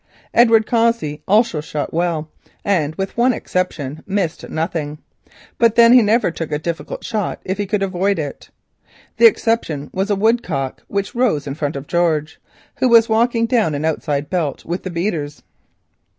Edward Cossey also shot well, and with one exception missed nothing, but then he never took a difficult shot if he could avoid it. The exception was a woodcock which rose in front of George, who was walking down an outside belt with the beaters.